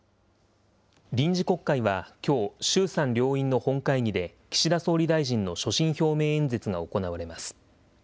臨時国会はきょう、衆参両院の本会議で、岸田総理大臣の所信表明演説が行われます。